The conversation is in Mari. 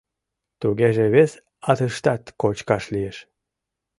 Тугеже вес атыштат кочкаш лиеш.